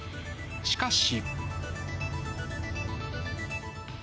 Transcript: しかし。